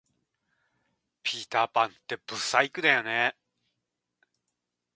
ピーターパンって不細工だよね